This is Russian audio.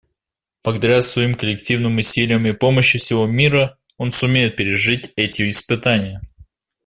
Благодаря своим коллективным усилиям и помощи всего мира он сумеет пережить эти испытания.